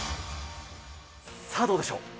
さあ、どうでしょう。